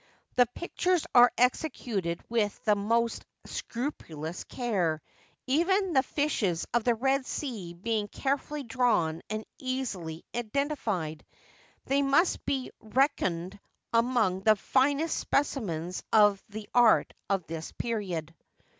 The pictures are executed with the most scrupulous care, even the fishes of the Red Sea being carefully drawn and easily identified ; they must be reck oned among the finest specimens of the art of this period.